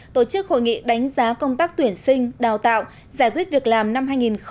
tổ chức hội nghị đánh giá công tác tuyển sinh đào tạo giải quyết việc làm năm hai nghìn hai mươi